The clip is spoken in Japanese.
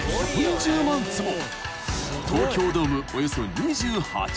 ［東京ドームおよそ２８個分］